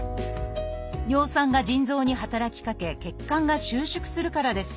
尿酸が腎臓に働きかけ血管が収縮するからです。